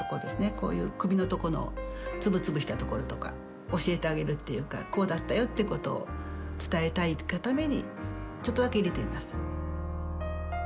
こういう首の所の粒々した所とか教えてあげるっていうかこうだったよってことを伝えたいがためにちょっとだけ入れています。